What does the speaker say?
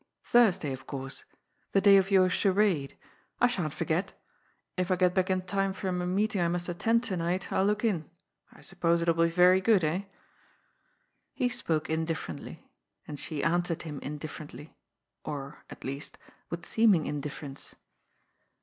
" Thursday, of course. The day of your ^ Charade.' I sha'n't forget. If I get back in time from a meeting I must attend to night, I'll look in. I sup pose it'll be very good, eh ?" He spoke indifferently. And she answered him indiffer ently, or, at least, with seeming indifference.